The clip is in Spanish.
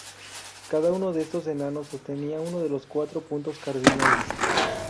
Cada uno de estos enanos sostenía uno de los cuatro puntos cardinales.